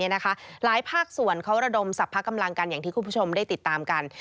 หลายภาคส่วนเขาระดมสรรพกำลังกันอย่างที่คุณผู้ชมได้ติดตามกัน